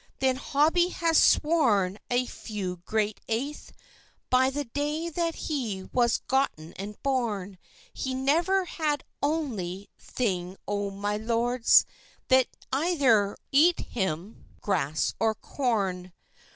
Then Hobie has sworn a fu' great aith, By the day that he was gotten and born, He never had ony thing o' my lord's, That either eat him grass or corn.